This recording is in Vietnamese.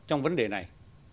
trong vấn đề này